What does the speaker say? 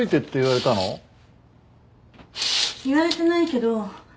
言われてないけど。